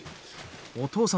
お父さん